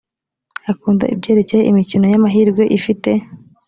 akunda ibyerekeye imikino y amahirwe ifite